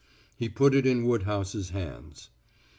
He put it in Woodhouse's hands.